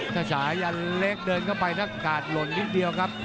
ถ้าสายันเล็กเดินเข้าไปถ้ากาดหล่นนิดเดียวครับ